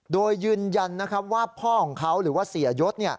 โดยยืนยันว่าพ่อของเขาหรือว่าเสียยศ